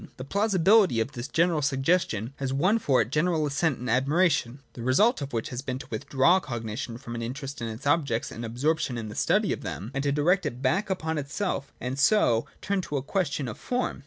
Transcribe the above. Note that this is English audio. The plausibility of this suggestion has won for it general assent and admiration ; the result of which has been to withdraw cognition from an interest in its objects and absorption in the study of them, and to direct it back upon itself; and so turn it to a ques tion of form.